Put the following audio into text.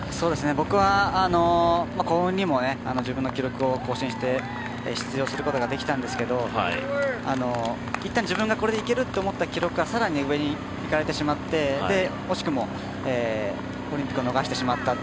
僕は幸運にも自分の記録を更新して出場することができたんですけどいったん自分がこれでいけると思った記録が更に上にいかれてしまって惜しくも、オリンピックを逃してしまった。